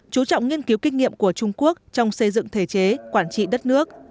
chú trọng nghiên cứu kinh nghiệm của trung quốc trong xây dựng thể chế quản trị đất nước